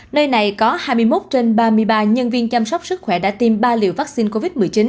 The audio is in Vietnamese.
nơi này có hai mươi một trên ba mươi ba nhân viên chăm sóc sức khỏe đã tiêm ba liều vaccine covid một mươi chín